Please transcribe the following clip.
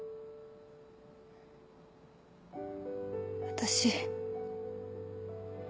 私。